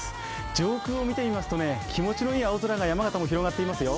上空を見てみますと気持ちのいい青空が山形も広がってますよ。